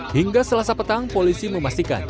hingga selasa petang polisi memastikan